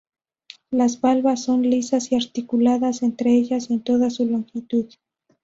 Las valvas son lisas y articuladas entre ellas en toda su longitud.